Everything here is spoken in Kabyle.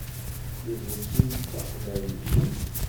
Idles-iw d taqbaylit.